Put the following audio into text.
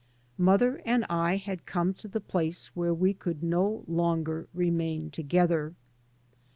Mother and I had come to the place where wc could no longer remain together.